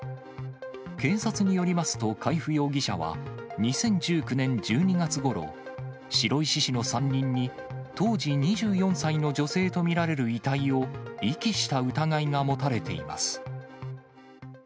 警察によりますと、海部容疑者は、２０１９年１２月ごろ、白石市の山林に当時２４歳の女性と見られる遺体を遺棄した疑いが持たれています。